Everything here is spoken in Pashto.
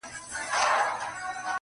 چي هر څه یم په دنیا کي ګرځېدلی-